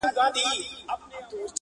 بیا مُلا سو بیا هغه د سیند څپې سوې -